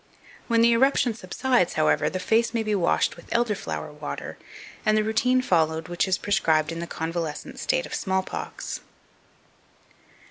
When the eruption subsides, however, the face may be washed with elder flower water, and the routine followed which is prescribed in the convalescent state of small pox.